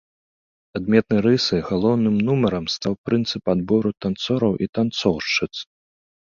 Адметнай рысай, галоўным нумарам, стаў прынцып адбору танцораў і танцоўшчыц.